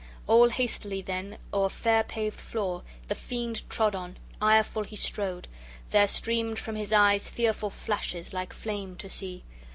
All hastily, then, o'er fair paved floor the fiend trod on, ireful he strode; there streamed from his eyes fearful flashes, like flame to see.